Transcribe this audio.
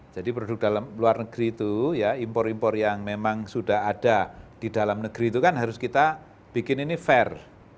jadi produk dalam luar negeri itu ya impor impor yang memang sudah ada di dalam negeri itu kan harus kita bikin ini fair